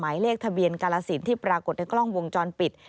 หมายเลขทะเบียนกาลสินที่ปรากฏในกล้องวงจรปิด